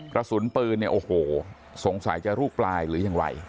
กระสุนปืนเนี่ยโอ้โหสงสัยจะลูกปลายหรือยังไร